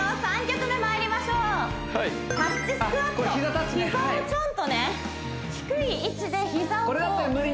３曲目まいりましょうタッチスクワット膝をちょんとね低い位置で膝をこうタッチする感じ